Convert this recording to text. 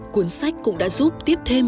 cuốn sách cũng đã giúp tiếp thêm